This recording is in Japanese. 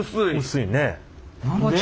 薄いね。